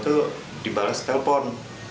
itu dibalas telepon